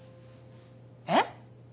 えっ？